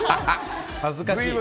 恥ずかしい。